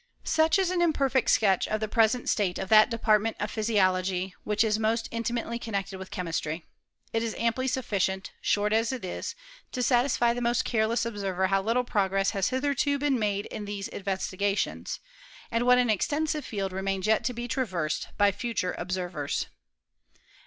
Such is an imperfect sketch of the present state of that department of physiology which is most in timately connected with Chemistry. It is amply sufficient, short as it is, to satisfy the most careless observer how little progress has hitherto been made in these investigations ; and what an extensive field remains yet to be traversed by future observers.